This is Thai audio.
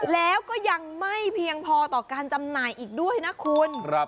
แล้วก็ยังไม่เพียงพอต่อการจำหน่ายอีกด้วยนะคุณ